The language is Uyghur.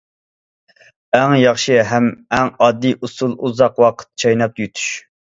ئەڭ ياخشى ھەم ئەڭ ئاددىي ئۇسۇلى ئۇزاق ۋاقىت چايناپ يۇتۇش.